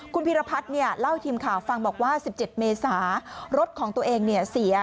คุณพีรพัฒน์เนี่ยเล่าให้ทีมข่าวฟังบอกว่า๑๗เมษารถของตัวเองเนี่ยเสีย